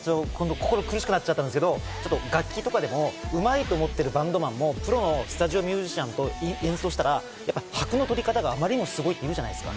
心が苦しくなっちゃったんですけど、楽器とかでもうまいと思ってるバンドマンもプロのスタジオミュージシャンと演奏したら、拍の取り方があまりにもすごいって言うじゃないですか。